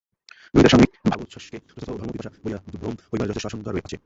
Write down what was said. গ্রহীতার সাময়িক ভাবোচ্ছ্বাসকে যথার্থ ধর্মপিপাসা বলিয়া ভ্রম হইবার যথেষ্ট আশঙ্কা আছে।